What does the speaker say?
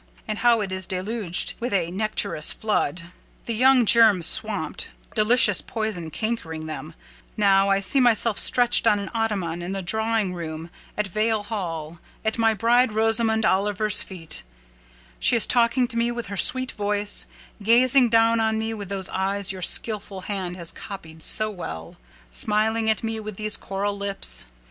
And now it is deluged with a nectarous flood—the young germs swamped—delicious poison cankering them: now I see myself stretched on an ottoman in the drawing room at Vale Hall at my bride Rosamond Oliver's feet: she is talking to me with her sweet voice—gazing down on me with those eyes your skilful hand has copied so well—smiling at me with these coral lips.